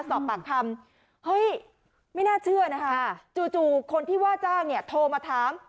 สอบปากคำเฮ้ยไม่น่าเชื่อนะคะจู่คนที่ว่าจ้างเนี่ยโทรมาถาม